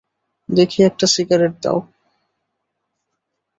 দেখি, একটা সিগারেট দাও।